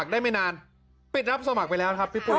ได้ไม่นานปิดรับสมัครไปแล้วครับพี่ปุ๊